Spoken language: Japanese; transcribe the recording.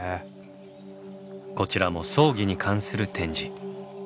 こちらも葬儀に関する展示。